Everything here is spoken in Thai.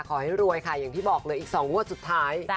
ขอให้รวยค่ะอย่างที่บอกเลยอีก๒งวดสุดท้าย